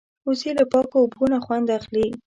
وزې له پاکو اوبو نه خوند اخلي